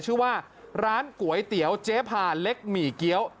ชื่อว่าร้านก๋วยเตี๋ยวเจ๊พาเล็กหมี่เกี้ยว